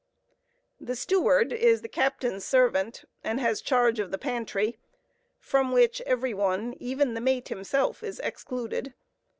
The steward is the captain's servant, and has charge of the pantry, from which every one, even the mate himself, is excluded.